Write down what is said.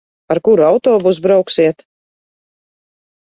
Ar kuru autobusu brauksiet?